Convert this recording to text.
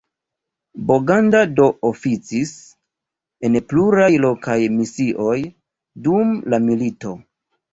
Boganda do oficis en pluraj lokaj misioj dum la milito.